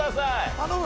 頼む！